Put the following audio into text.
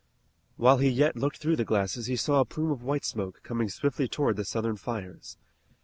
While he yet looked through the glasses he saw a plume of white smoke coming swiftly towards the Southern fires.